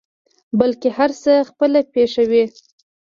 بلکې هر څه خپله پېښوي.